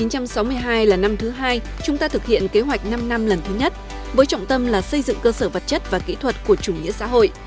năm một nghìn sáu mươi hai là năm thứ hai chúng ta thực hiện kế hoạch năm năm lần thứ nhất với trọng tâm là xây dựng cơ sở vật chất và kỹ thuật của chủ nghĩa xã hội